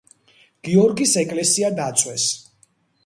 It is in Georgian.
გიორგის ეკლესია დაწვეს.